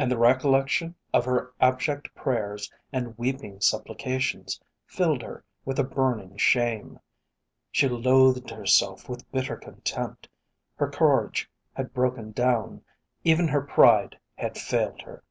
And the recollection of her abject prayers and weeping supplications filled her with a burning shame. She loathed herself with bitter contempt. Her courage had broken down; even her pride had failed her.